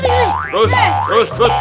terus terus terus